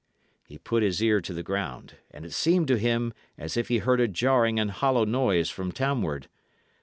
He put his ear to the ground, and it seemed to him as if he heard a jarring and hollow noise from townward.